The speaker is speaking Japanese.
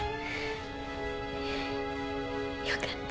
よかった。